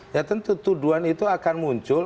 ya tentu tuduhan itu akan muncul